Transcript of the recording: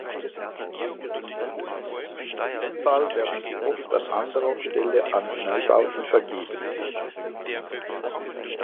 In diesem Fall werden sie oft an anderer Stelle an Neubauten vergeben.